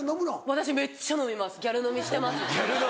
私めっちゃ飲みますギャル飲みしてます。